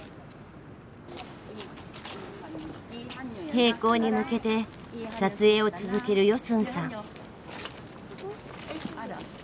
閉校に向けて撮影を続けるヨスンさん。